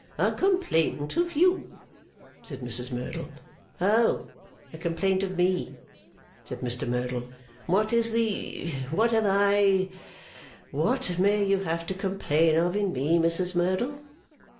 'A complaint of you,' said Mrs Merdle. 'Oh! A complaint of me,' said Mr Merdle. 'What is the what have I what may you have to complain of in me, Mrs Merdle?